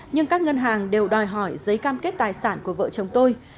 nhưng các ngân hàng đều đòi hỏi giấy cam kết tài sản của vợ chồng tôi